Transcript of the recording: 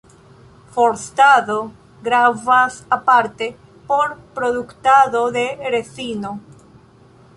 Forstado gravas aparte por produktado de rezino.